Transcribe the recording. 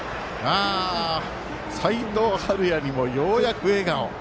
齋藤敏哉にも、ようやく笑顔。